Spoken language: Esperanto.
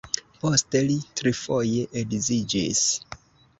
Poste li trifoje edziĝis.